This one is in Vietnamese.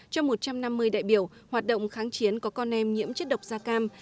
cho một trăm năm mươi đại biểu hoạt động kháng chiến có con em nhiễm chất độc da cam